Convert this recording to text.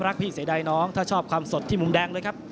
พี่เสียดายน้องถ้าชอบความสดที่มุมแดงเลยครับ